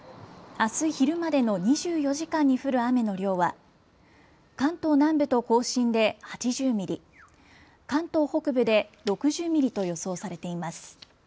あす昼までの２４時間に降る雨の量は関東南部と甲信で８０ミリ、関東北部で６０ミリと予想されています。